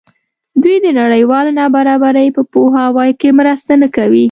دوی د نړیوالې نابرابرۍ په پوهاوي کې مرسته نه کوي.